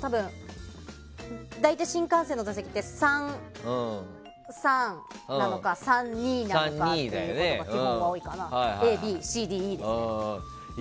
多分、大体新幹線の座席って３×３なのか３×２っていうのが基本は多いかな、Ａ、Ｂ、Ｃ、Ｄですよね。